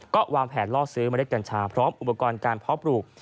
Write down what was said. ก็วางแผนล่อซื้อเมล็ดกัญชาพร้อมอุปกรณ์การเพาะปลูก